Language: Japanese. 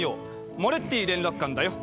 モレッティ連絡官だよ。